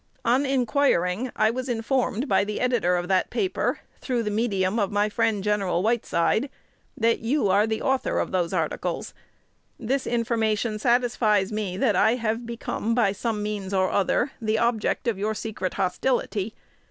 On inquiring, I was informed by the editor of that paper, through the medium of my friend, Gen. Whiteside, that you are the author of those articles. This information satisfies me that I have become, by some means or other, the object of your secret hostility.